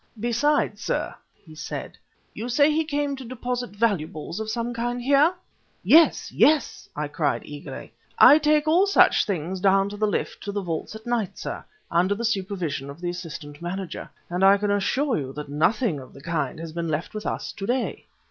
"Besides, sir," he said, "you say he came to deposit valuables of some kind here?" "Yes, yes!" I cried eagerly. "I take all such things down on the lift to the vaults at night, sir, under the supervision of the assistant manager and I can assure you that nothing of the kind has been left with us to day."